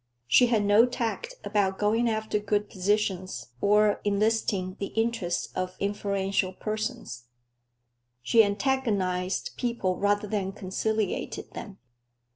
She had no tact about going after good positions or enlisting the interest of influential persons. She antagonized people rather than conciliated them.